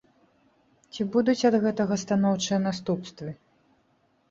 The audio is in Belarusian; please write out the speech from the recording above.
Ці будуць ад гэтага станоўчыя наступствы?